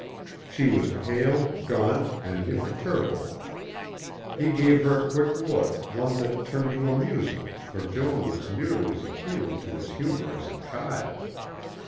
She was pale, gaunt, and imperturbable. He gave her a quick look, one that turned to amusement, for Joan was really as appealing to his humor as a child.